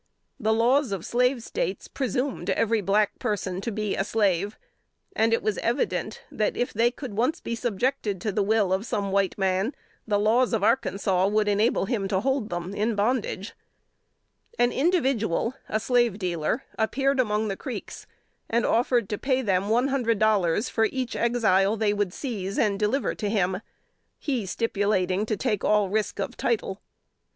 The laws of slave States presumed every black person to be a slave; and it was evident, that if they could once be subjected to the will of some white man, the laws of Arkansas would enable him to hold them in bondage. An individual, a slave dealer, appeared among the Creeks and offered to pay them one hundred dollars for each Exile they would seize and deliver to him; he stipulating to take all risk of title. [Sidenote: 1849.